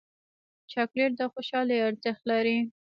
چاکلېټ د خوشحالۍ ارزښت لري